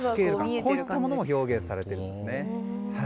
こういったものも表現されていますね。